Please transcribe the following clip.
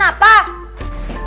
kakaknya udah kebun